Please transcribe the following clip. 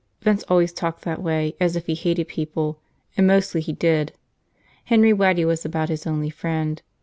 Vince always talked that way, as if he hated people. And mostly he did. Henry Waddy was about his only friend.